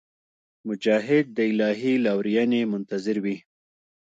مجاهد د الهي لورینې منتظر وي.